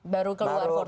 baru keluar fortunernya